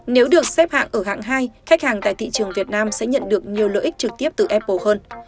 nếu được xếp hạng ở hạng hai khách hàng tại thị trường việt nam sẽ nhận được nhiều lợi ích trực tiếp từ apple hơn